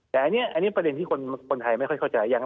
แต่อันนี้ประเด็นที่คนไทยไม่ค่อยเข้าใจ